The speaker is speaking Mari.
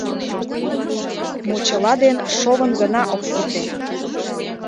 Мочыла ден шовын гына ок сите...